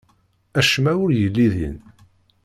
Acemma ur yelli din.